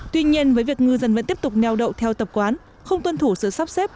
tuy nhiên với việc ngư dân vẫn tiếp tục neo đậu theo tập quán không tuân thủ sự sắp xếp